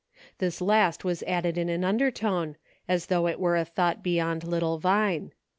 This last was added in an undertone, as though it were a thought beyond little Vine.